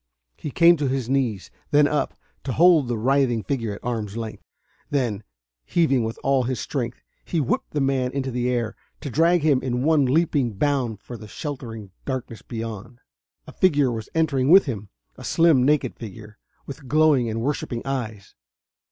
He came to his knees, then up, to hold the writhing figure at arm's length. Then, heaving with all his strength, he whipped the man into the air, to drag him in one leaping bound for the sheltering darkness beyond. A figure was entering with him a slim, naked figure, with glowing and worshipping eyes.